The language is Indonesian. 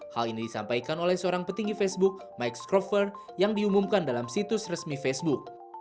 hal ini disampaikan oleh seorang petinggi facebook mike scrover yang diumumkan dalam situs resmi facebook